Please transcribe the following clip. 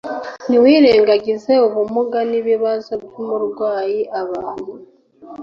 Niwirengagiza ubumuga n ibibazo by uburwayi abantu